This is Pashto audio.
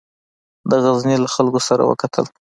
د غزني له خلکو سره وکتل.